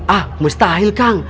ah mustahil kang